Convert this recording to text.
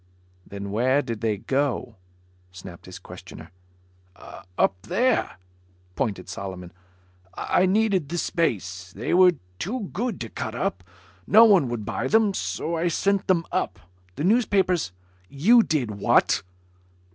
"Then where did they go?" snapped his questioner. "Up there," pointed Solomon. "I needed the space. They were too good to cut up. No one would buy them. So I sent them up. The newspapers " "You did what?"